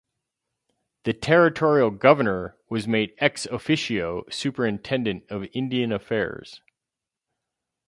The territorial governor was made "ex officio" Superintentant of Indian Affairs.